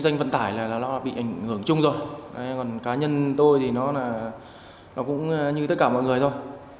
các ngành kinh doanh vận tài bị ảnh hưởng chung rồi còn cá nhân tôi thì nó cũng như tất cả mọi người thôi